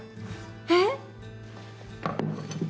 えっ⁉